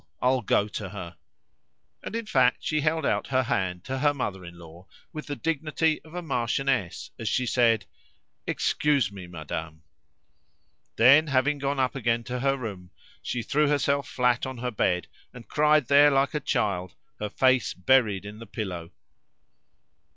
I'll go to her." And in fact she held out her hand to her mother in law with the dignity of a marchioness as she said "Excuse me, madame." Then, having gone up again to her room, she threw herself flat on her bed and cried there like a child, her face buried in the pillow.